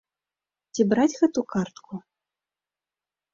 Ці браць гэту картку?